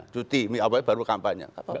cuti awal baru kampanye